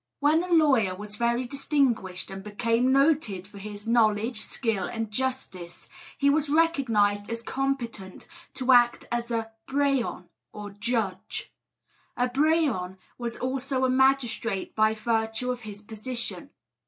When a lawyer was very distinguished, and became noted for his knowledge, skill, and justice, he was recognised as competent to act as a Brehon or judge. A brehon was also a magistrate by virtue of his position.